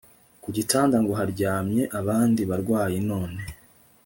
kugitanda ngo haryamye abandi barwayi none